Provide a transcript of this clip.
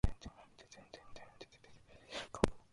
その人がすなわち先生であった。